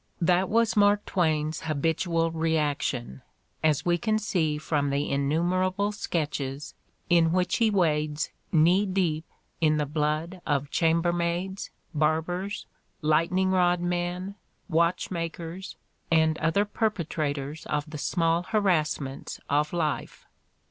That was Mark Twain's habitual reaction, as we can see from the innumerable sketches in which he wades knee deep in the blood of chambermaids, barbers, lightning rod men, watch makers and other perpetrators of the small harassments of life.